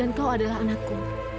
dan kau adalah anakku